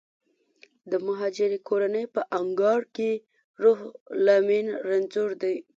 د مهاجرې کورنۍ په انګړ کې روح لامین رنځور دی